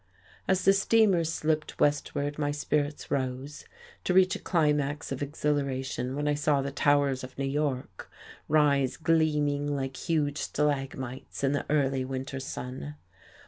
As the steamer slipped westward my spirits rose, to reach a climax of exhilaration when I saw the towers of New York rise gleaming like huge stalagmites in the early winter sun.